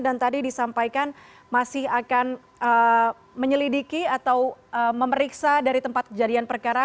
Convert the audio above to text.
dan tadi disampaikan masih akan menyelidiki atau memeriksa dari tempat kejadian perkara